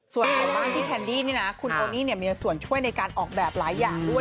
ส่วนทางด้านพี่แคนดี้นี่นะคุณโอนี่มีส่วนช่วยในการออกแบบหลายอย่างด้วย